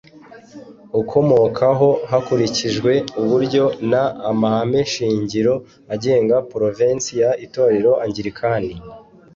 ukomokaho hakurikijwe uburyo n amahameshingiro agenga provensi y itorero angilikani